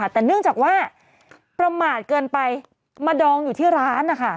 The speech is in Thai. แต่เนื่องจากว่าประมาทเกินไปมาดองอยู่ที่ร้าน